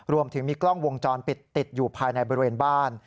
รวมถึงมีกล้องวงจรปิดติดอยู่ภายในบริเวณบ้าน